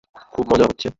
খুব মজা হচ্ছে?